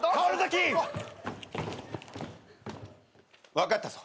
分かったぞ。